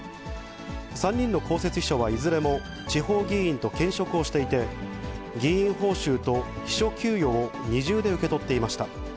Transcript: ３人の公設秘書はいずれも地方議員と兼職をしていて、議員報酬と秘書給与を二重で受け取っていました。